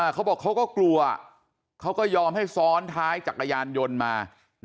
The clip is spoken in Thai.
เขาบอกเขาก็กลัวเขาก็ยอมให้ซ้อนท้ายจักรยานยนต์มา